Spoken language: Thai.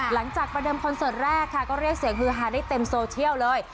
ประเดิมคอนเสิร์ตแรกค่ะก็เรียกเสียงฮือฮาได้เต็มโซเชียลเลย